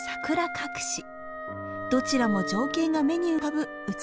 どちらも情景が目に浮かぶ美しいことばです。